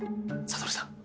悟さん